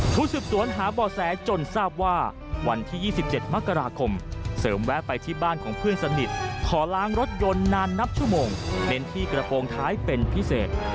ผู้สืบสวนหาบ่อแสจนทราบว่าวันที่๒๗มกราคมเสริมแวะไปที่บ้านของเพื่อนสนิทขอล้างรถยนต์นานนับชั่วโมงเน้นที่กระโปรงท้ายเป็นพิเศษ